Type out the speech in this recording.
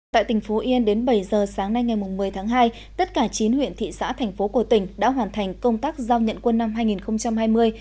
tại tỉnh phú yên đến bảy giờ sáng nay ngày một mươi tháng hai tất cả chín huyện thị xã thành phố của tỉnh đã hoàn thành công tác giao nhận quân năm hai nghìn hai mươi